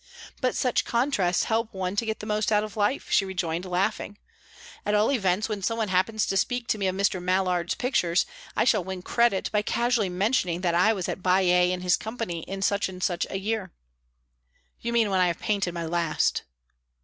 "But such contrasts help one to get the most out of life," she rejoined, laughing; "At all events, when some one happens to speak to me of Mr. Mallard's pictures, I shall win credit by casually mentioning that I was at Baiae in his company in such and such a year." "You mean, when I have painted my last!"